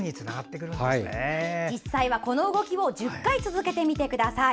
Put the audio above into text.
実際は、この動きを１０回続けてみてください。